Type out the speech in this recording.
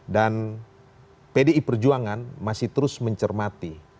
dan pdi perjuangan masih terus mencermati